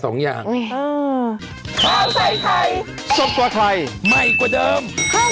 สวัสดีครับ